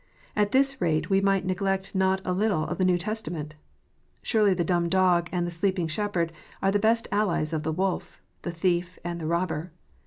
At this rate we might neglect not a little of the New Testament. Surely the dumb dog and the sleeping shepherd are the best allies of the wolf, the thief, and the robber.